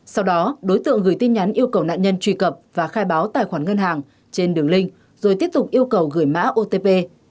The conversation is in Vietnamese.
sau đó đối tượng gửi tin nhắn yêu cầu nạn nhân truy cập và khai báo tài khoản ngân hàng trên đường link rồi tiếp tục yêu cầu gửi mã otp